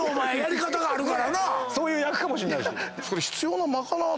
そういう役かもしれないし。